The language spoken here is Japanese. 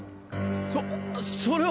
そそれは。